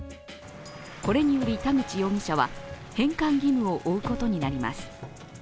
これにより田口容疑者は、返還義務を負うことになります。